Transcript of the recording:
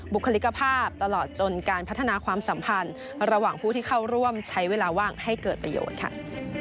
บุคลิกภาพตลอดจนการพัฒนาความสัมพันธ์ระหว่างผู้ที่เข้าร่วมใช้เวลาว่างให้เกิดประโยชน์ค่ะ